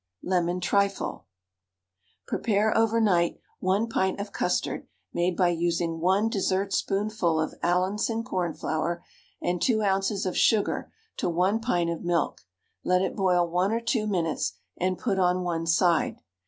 LEMON TRIFLE. Prepare over night 1 pint of custard made by using 1 dessertspoonful of Allinson cornflour and 2 oz. of sugar to 1 pint of milk; let it boil 1 or 2 minutes and put on one side.